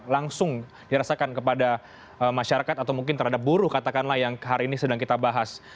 langsung dirasakan kepada masyarakat atau mungkin terhadap buruh katakanlah yang hari ini sedang kita bahas